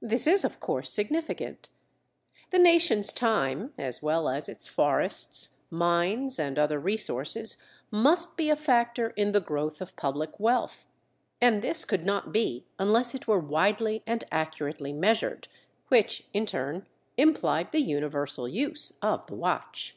This is, of course, significant. The nation's time as well as its forests, mines, and other resources, must be a factor in the growth of public wealth, and this could not be unless it were widely and accurately measured, which, in turn, implied the universal use of the watch.